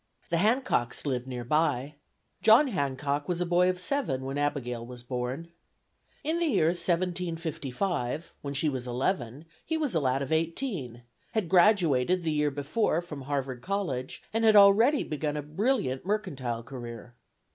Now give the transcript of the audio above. The Hancocks lived near by. John Hancock was a boy of seven when Abigail was born. In the year 1755, when she was eleven, he was a lad of eighteen; had graduated the year before from Harvard College and had already begun a brilliant mercantile career.